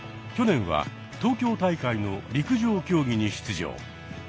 去年は東京大会の陸上競技に出場。